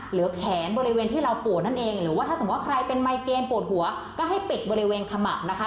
แขนบริเวณที่เราปวดนั่นเองหรือว่าถ้าสมมุติใครเป็นไมเกณฑ์ปวดหัวก็ให้ปิดบริเวณขมับนะคะ